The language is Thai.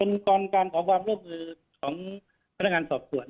เป็นการเป็นการขอความร่วมลูกมือของพนักงานสอบสวน